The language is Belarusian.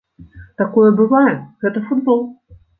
Такое бывае, гэта футбол.